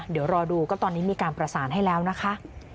เดี๋ยวรอดูก็ตอนนี้มีการประสานให้แล้วนะคะ